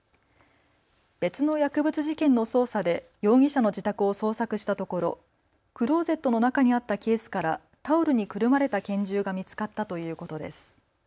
別の薬物事件の捜査で容疑者の自宅を捜索したところクローゼットの中にあったケースからタオルにくるまれた拳銃が見つかったということです。